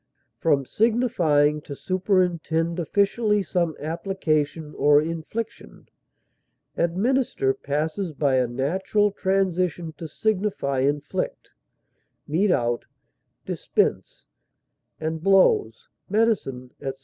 From signifying to superintend officially some application or infliction, administer passes by a natural transition to signify inflict, mete out, dispense, and blows, medicine, etc.